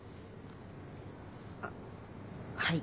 あっはい。